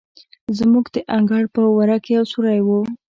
زموږ د انګړ په وره کې یو سورى و.